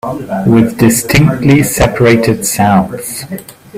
With distinctly separated sounds